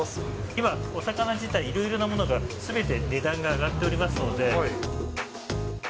今、お魚自体、いろいろなものが、すべて値段が上がっておりますので。